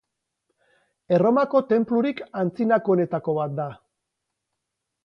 Erromako tenplurik antzinakoenetako bat da.